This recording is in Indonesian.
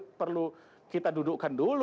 bagian yang perlu kita dudukkan dulu